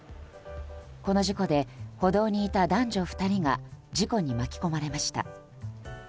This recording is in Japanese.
この事故で歩道にいた男女２人が事故に巻き込まれました。